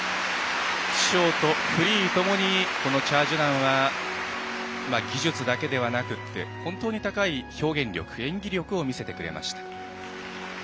ショート、フリーともにこのチャ・ジュナンは技術だけではなくて本当に高い表現力演技力を見せてくれました。